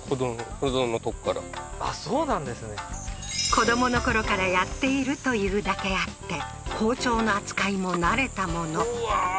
子どものころからやっていると言うだけあって包丁の扱いも慣れたものうわー